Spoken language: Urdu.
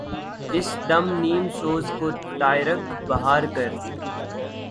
اس دم نیم سوز کو طائرک بہار کر